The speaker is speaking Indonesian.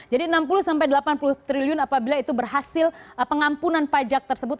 jadi enam puluh sampai delapan puluh triliun apabila itu berhasil pengampunan pajak tersebut